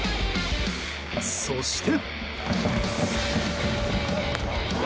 そして。